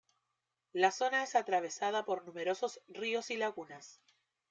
La zona es atravesada por numerosos ríos y lagunas.